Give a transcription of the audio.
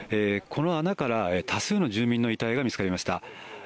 この穴から多数の住民の遺体が見つかりました。